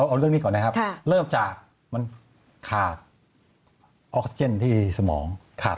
เอาเรื่องนี้ก่อนนะครับค่ะเริ่มจากมันขาดที่สมองขาด